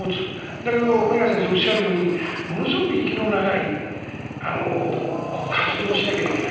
だけど目加田先生がおっしゃるようにものすごく息の長い活動をしなきゃいけない。